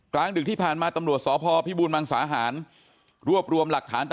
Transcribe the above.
กลางดึกที่ผ่านมาตำรวจสพพิบูรมังสาหารรวบรวมหลักฐานต่อ